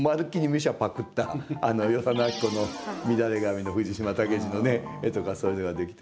ミュシャパクったあの与謝野晶子の「みだれ髪」の藤島武二の絵とかそういうのができてくる。